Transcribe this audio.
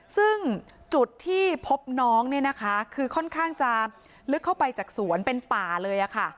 ซึ่งจุดที่พบน้องเนี่ยนะคะคือค่อนข้างจะลึกเข้าไปจากสวนเป็นป่าเลยค่ะ